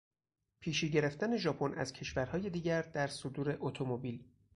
پیشی گرفتن ژاپن از کشورهای دیگر در صدور اتومبیل